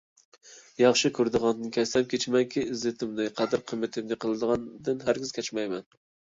ياخشى كۆرىدىغاندىن كەچسەم كېچىمەنكى، ئىززىتىمنى، قەدىر-قىممىتىمنى قىلغاندىن ھەرگىز كەچمەيمەن.